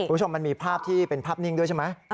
คุณผู้ชมมันมีภาพที่เป็นภาพนิ่งด้วยใช่ไหม